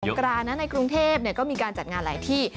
กรานนะในกรุงเทพก็มีการจัดงานหลายที่